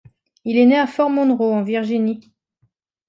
Il est né à Fort Monroe, en Virginie.